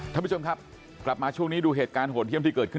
ท่านผู้ชมครับกลับมาช่วงนี้ดูเหตุการณ์โหดเยี่ยมที่เกิดขึ้น